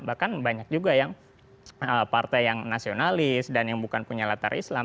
bahkan banyak juga yang partai yang nasionalis dan yang bukan punya latar islam